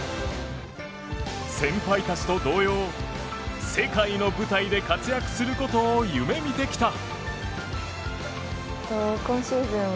先輩たちと同様、世界の舞台で活躍することを夢見てきた。